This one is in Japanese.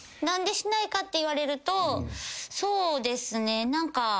何でしないかって言われるとそうですね何か。